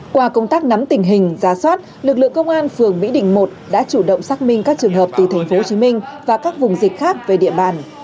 qua công tác nắm tình hình giả soát lực lượng công an phường mỹ đình một đã chủ động xác minh các trường hợp từ tp hồ chí minh và các vùng dịch khác về địa bàn